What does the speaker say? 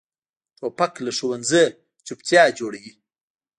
توپک له ښوونځي چپتیا جوړوي.